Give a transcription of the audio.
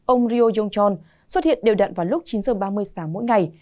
ông ryo yongchon xuất hiện đều đặn vào lúc chín h ba mươi sáng mỗi ngày